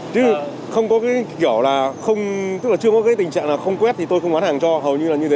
chứ không có cái kiểu là tức là chưa có cái tình trạng là không quét thì tôi không bán hàng cho hầu như là như thế